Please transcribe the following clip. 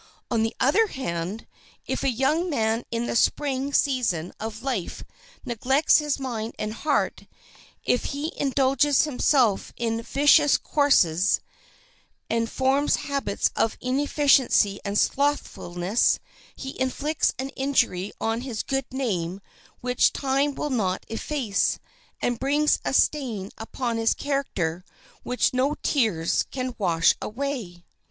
On the other hand, if a young man in the Spring season of life neglects his mind and heart, if he indulges himself in vicious courses, and forms habits of inefficiency and slothfulness, he inflicts an injury on his good name which time will not efface, and brings a stain upon his character which no tears can wash away.